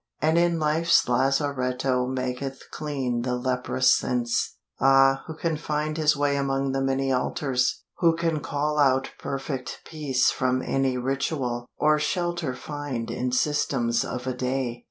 And in life's lazaretto maketh clean The leprous sense. Ah, who can find his way Among the many altars? Who can call Out perfect peace from any ritual, Or shelter find in systems of a day?